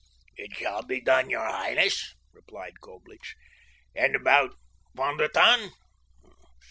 "It shall be done, your highness," replied Coblich. "And about Von der Tann?